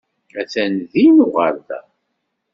Atan din uɣerda.